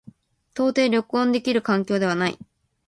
到底録音できる環境ではない。